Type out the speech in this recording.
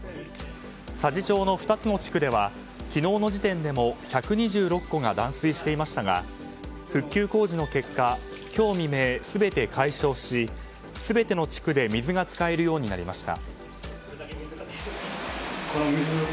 佐治町の２つの地区では昨日の時点でも１２６戸が断水していましたが復旧工事の結果今日未明、全て解消し全ての地区で水が使えるようになりました。